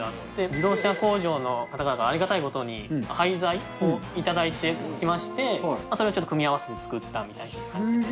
自動車工場の方がありがたいことに廃材を頂いてきまして、それをちょっと組み合わせて作っすげー。